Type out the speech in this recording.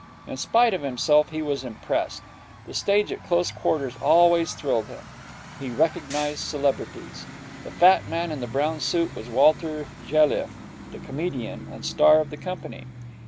In spite of himself, he was impressed. The stage at close quarters always thrilled him. He recognized celebrities. The fat man in the brown suit was Walter Jelliffe, the comedian and star of the company.